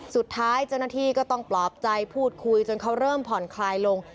สุดท้ายเจ้าหน้าที่ก็ต้องปลอบใจพูดคุยจนเขาเริ่มผ่อนคลายลง